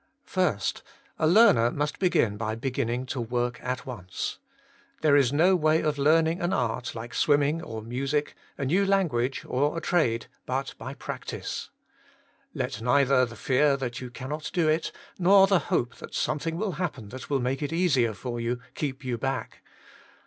I. A learner must begin by beginning to work at once. There is no way of learning an art like swimming or music, a new lan guage or a trade, but by practice. Let neither the fear that you cannot do it, nor the hope that something will happen that will make it easier for you, keep you back.